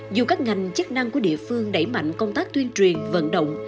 dù các ngành chức năng của địa phương đẩy mạnh công tác tuyên truyền vận động